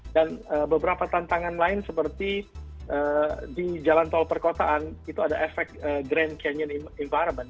dan beberapa tantangan lain seperti di jalan tol perkotaan itu ada efek grand canyon environment